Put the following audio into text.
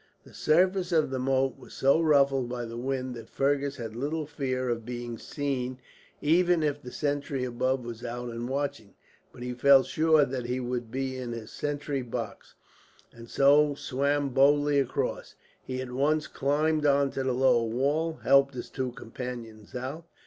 The surface of the moat was so ruffled by the wind that Fergus had little fear of being seen, even if the sentry above was out and watching; but he felt sure that he would be in his sentry box, and so swam boldly across. He at once climbed onto the lower wall, and helped his two companions out.